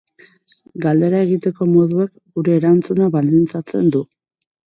Galdera egiteko moduak gure erantzuna baldintzatzen du.